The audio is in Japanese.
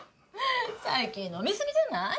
最近飲みすぎじゃない？